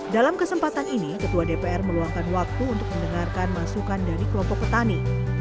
dalam kesempatan ini ketua dpr meluangkan waktu untuk mendengarkan masukan dari kelompok petani